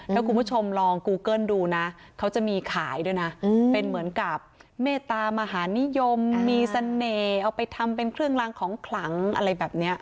ถ้าคุณผู้ชมลองกูเกิ้ลดูนะเขาจะมีขายด้วยนะเป็นเหมือนกับเมตามหานิยมมีเสน่ห์เอาไปทำเป็นเครื่องรางของขลังอะไรแบบนี้